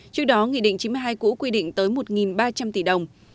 trước đó nghị định chín mươi hai cũ quy định tới một ba trăm linh tỷ đồng